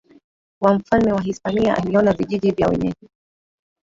wa mfalme wa Hispania aliona vijiji vya wenyeji